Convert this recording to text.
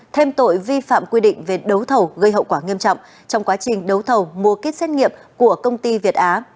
thêm tội vi phạm quy định về đấu thầu gây hậu quả nghiêm trọng trong quá trình đấu thầu mua kết xét nghiệm của công ty việt á